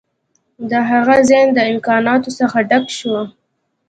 د هغه ذهن د امکاناتو څخه ډک شو